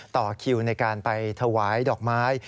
ต่อคิวในการไปถวายดอกไม้